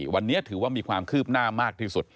วันนี้ถือว่ามีความคืบหน้ามากที่สุด